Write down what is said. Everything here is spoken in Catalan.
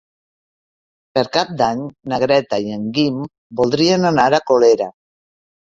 Per Cap d'Any na Greta i en Guim voldrien anar a Colera.